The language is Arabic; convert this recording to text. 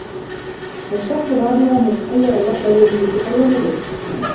وَالشَّرْطُ الرَّابِعُ أَنْ يَتَخَيَّرَ اللَّفْظَ الَّذِي يَتَكَلَّمُ بِهِ